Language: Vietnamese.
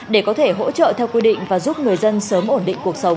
để có thể hỗ trợ theo quy định và giúp người dân sớm ổn định cuộc sống